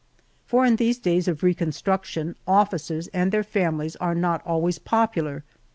For in these days of reconstruction officers and their families are not always popular.